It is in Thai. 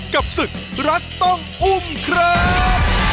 กับศึกรักต้องอุ้มครับ